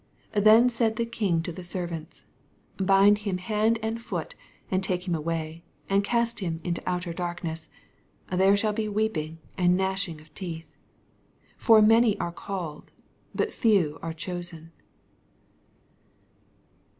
18 Then said the king to the ser vants, Bind him hand and foot, and take him away, and cast Mm into outer darkness ; there shall be weep ing and gnashing of teeth. 14 For many are called, but few are chosen.